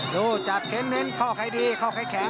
ดูจับเข้มเห็นข้อไขดีข้อไขแข็ง